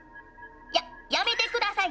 やっやめてください！